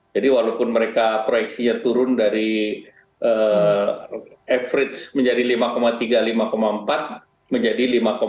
jadi walaupun mereka proyeksinya turun dari average menjadi lima tiga lima empat menjadi lima